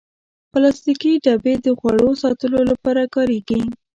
پلاستيکي ډبې د خواړو ساتلو لپاره کارېږي.